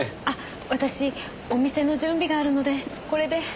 あっ私お店の準備があるのでこれで。